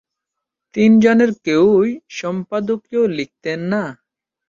তিনজনের কেউই সম্পাদকীয় লিখতেন না।